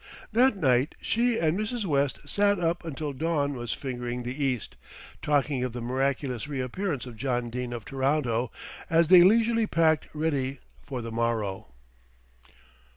That night she and Mrs. West sat up until dawn was fingering the east, talking of the miraculous reappearance of John Dene of Toronto, as they leisurely packed ready for the morrow.